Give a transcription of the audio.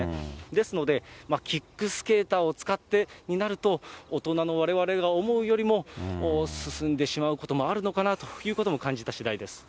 ですので、キックスケーターを使ってになると、大人のわれわれが思うよりも、進んでしまうこともあるのかなということも感じたしだいです。